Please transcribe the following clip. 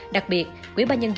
đặc biệt quỹ ba nhân dân tỉnh